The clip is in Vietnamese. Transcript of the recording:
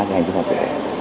hành vi phạm tội